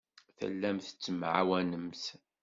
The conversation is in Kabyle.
Tellamt tettemɛawanemt.